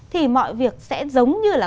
thì mọi việc sẽ giống như là